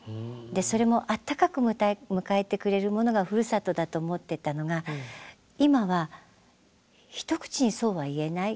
それもあったかく迎えてくれるものがふるさとだと思ってたのが今は一口にそうは言えない。